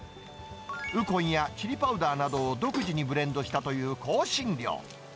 ウコンやチリパウダーなどを独自にブレンドしたという香辛料。